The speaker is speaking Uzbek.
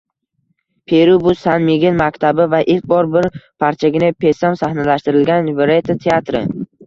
Peru bu – San-Migel maktabi va ilk bor bir parchagina pesam sahnalashtirilgan “Varete” teatri